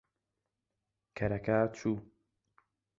کەرەکە چوو.